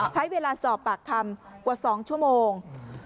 ใช้เวลาสอบปากคำกว่า๒ชั่วโมง